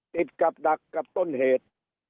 ติดกับดักกับต้นเหตุ